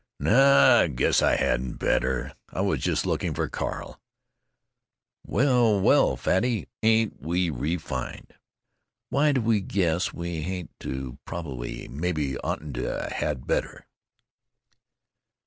"No, I guess I hadn't better. I was just looking for Carl." "Well, well, Fatty, ain't we ree fined! Why do we guess we hadn't to probably maybe oughtn't to had better?"